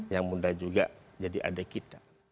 yang muda juga jadi adik kita